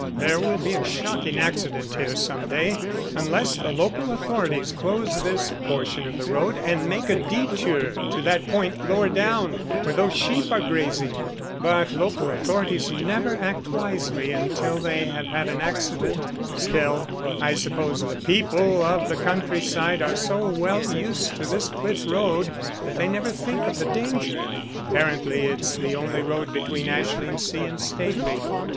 There will be a shocking accident here some day unless the local authorities close this portion of the road and make a detour to that point lower down where those sheep are grazing. But local authorities never act wisely until they have had an accident. Still, I suppose the people of the country side are so well used to this cliff road that they never think of the danger. Apparently it's the only road between Ashlingsea and Staveley."